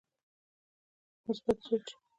مثبت سوچ